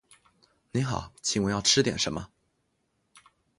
您好，请问要吃点什么？